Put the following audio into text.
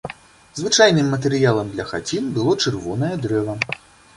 Звычайным матэрыялам для хацін было чырвонае дрэва.